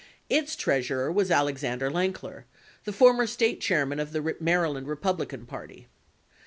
Its treasurer was Alexander Lankier, the former State chairman of the Maryland Re publican Party.